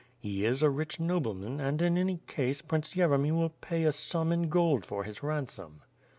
He is a rich nobleman, and in any case, Prince Yeremy will pay a sum in gold for his ransom."